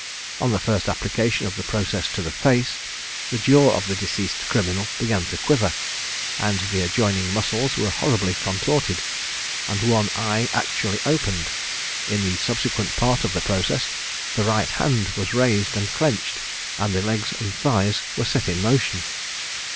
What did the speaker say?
On the first application of the process to the face, the jaw of the deceased criminal began to quiver, and the adjoining muscles were horribly contorted, and one eye actually opened. In the subsequent part of the process, the right hand was raised and clenched, and the legs and thighs were set in motion.